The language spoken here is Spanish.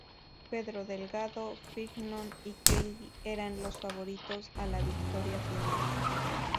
Pedro Delgado, Fignon y Kelly eran los favoritos a la victoria final.